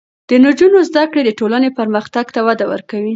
د نجونو زده کړې د ټولنې پرمختګ ته وده ورکوي.